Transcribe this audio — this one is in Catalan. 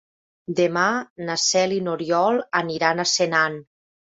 Demà na Cel i n'Oriol aniran a Senan.